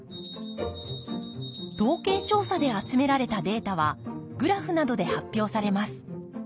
統計調査で集められたデータはグラフなどで発表されます。